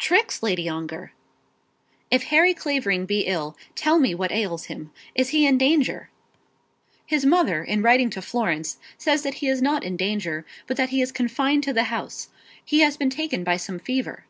"Tricks, Lady Ongar!" "If Harry Clavering be ill, tell me what ails him. Is he in danger?" "His mother in writing to Florence says that he is not in danger; but that he is confined to the house. He has been taken by some fever."